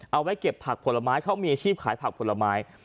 เอาไว้เก็บผักผลไม้เขามีอาชีพขายผักผลไม้